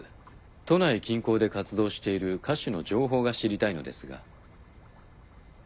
都内近郊で活動している歌手の情報が知りたいのですが。